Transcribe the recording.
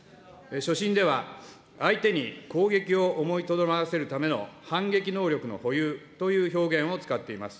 所信では、相手に攻撃を思いとどまらせるための反撃能力の保有という表現を使っています。